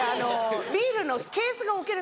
ビールのケースが置ける